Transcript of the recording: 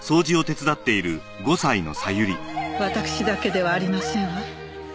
わたくしだけではありませんわ。